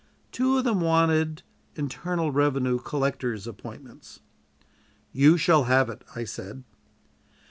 Two of them wanted internal revenue collector's appointments. "You shall have it," I said.